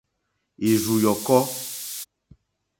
Ìrzù yɔ̀kɔ́.